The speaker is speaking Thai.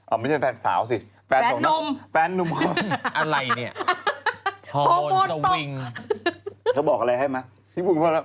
อ้าวไม่ใช่แฟนสาวสิแฟนนมอะไรเนี่ยพอร์โมนสวิงเธอบอกอะไรให้มั้ย